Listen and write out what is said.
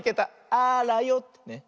あらよってね。